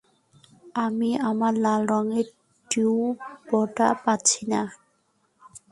আমি আমার লাল রঙের টিউবটা পাচ্ছি না!